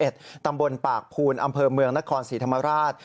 ตำบลปากภูนอำเภอเมืองนครศรีธรรมราช